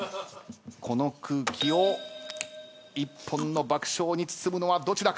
この空気を一本の爆笑に包むのはどちらか？